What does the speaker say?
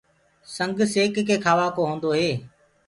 سنگ سيڪ ڪي کآوآڪو هوندوئي